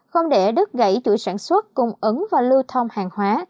không để đứt gãy chuỗi sản xuất cung ứng và lưu thông hàng hóa